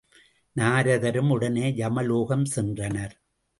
நாரதரும் உடனே யமலோகஞ் சென்றனர்.